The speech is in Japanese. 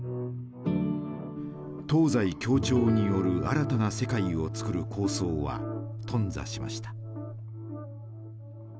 東西協調による新たな世界をつくる構想は頓挫しました。